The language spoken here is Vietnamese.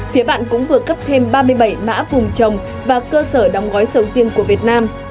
phía bạn cũng vừa cấp thêm ba mươi bảy mã vùng trồng và cơ sở đóng gói sầu riêng của việt nam